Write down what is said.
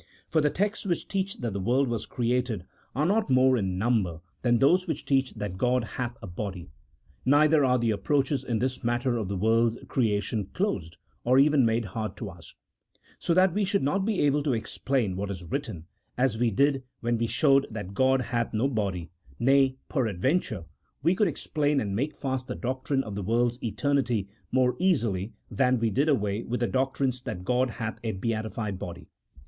For the texts which teach that the world was created are not more in number than those which teach that G od hath a body ; neither are the approaches in this matter of the world's creation closed, or even made hard to us: so that we should not be able to explain what is written, as we did when we showed that God hath no body, nay, peradventure, we could explain and make fast the doc trine of the world's eternity more easily than we did away with the doctrines that God hath a beatified body.